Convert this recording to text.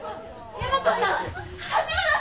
大和さん！